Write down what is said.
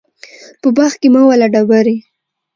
په باغ کې مه وله ډبري